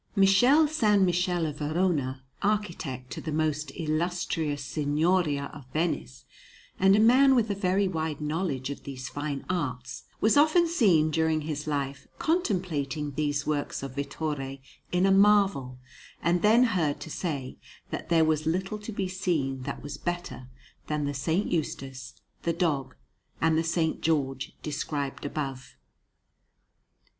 Michele San Michele of Verona, architect to the most illustrious Signoria of Venice, and a man with a very wide knowledge of these fine arts, was often seen during his life contemplating these works of Vittore in a marvel, and then heard to say that there was little to be seen that was better than the S. Eustace, the dog, and the S. George described above.